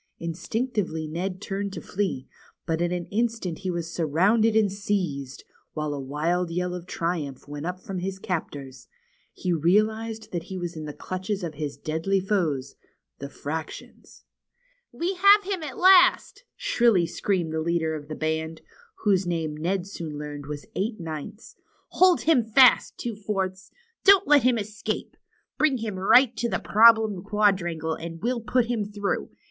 Instinctively Ned turned to flee, but in an instant he was surrounded and seized, while a wild yell of triumph went up from his captors. He realized that he was in the clutches of his deadly foes, the fractions. ^^We have him at last!" shrilly screamed the leader of the band, whose name Ned soon learned Avas Eight Ninths, Hold him fast. Two Fourths. Don't let him escape. Bring him right up to Problem Quadrangle, and we'll put him through.